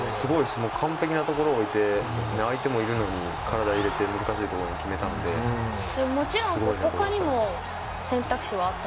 完璧なところに置いて相手もいるのに体を入れて難しいところに決めたのですごいなと思いました。